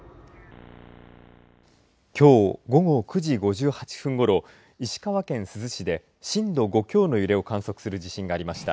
きょう午後９時５８分ごろ石川県珠洲市で震度５強の揺れを観測する地震がありました。